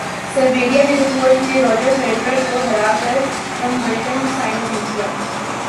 Serbia کے جوکووچ نے راجر فیڈرر کو ہرا کر ومبلڈن فائنل جیت لیا